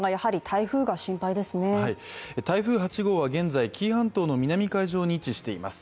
台風８号は現在、紀伊半島の南海上に位置しています。